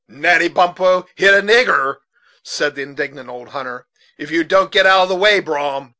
"Natty Bumppo hit a nigger," said the indignant old hunter, "if you don't get out of the way, Brom.